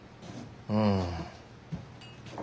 うん。